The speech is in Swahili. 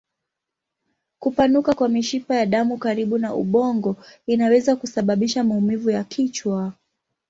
Kupanuka kwa mishipa ya damu karibu na ubongo inaweza kusababisha maumivu ya kichwa.